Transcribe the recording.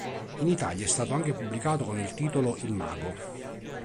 In Italia è stato anche pubblicato con il titolo Il mago.